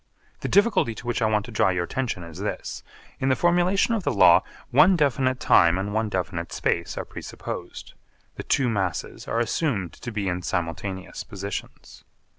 The difficulty to which I want to draw your attention is this: In the formulation of the law one definite time and one definite space are presupposed. The two masses are assumed to be in simultaneous positions.